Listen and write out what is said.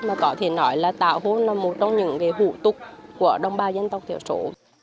mà có thể nói là tào hôn là một trong những hủ tục của đồng bào dân tộc thiểu số